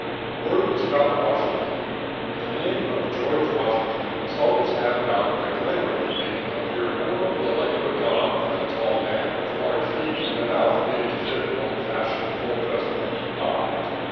Words About Washington. The name of George Washington has always had about it a glamour that made him appear more in the light of a god than a tall man with large feet and a mouth made to fit an old fashioned, full dress pumpkin pie.